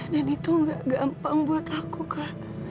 dan itu nggak gampang buat aku kak